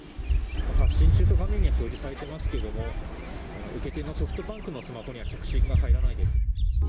発信中という画面が表示されていますけども受け手のソフトバンクのスマホには着信が入らないです。